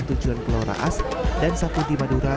tujuan pulau raas dan saputi madura